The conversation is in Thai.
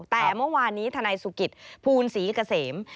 แต่เมื่อวานนี้ทนายสุกิตภูลศรีเกษม